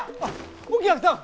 お客さん！